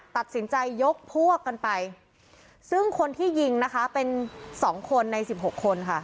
ตัดสินใจยกพวกกันไปซึ่งคนที่ยิงนะคะเป็นสองคนในสิบหกคนค่ะ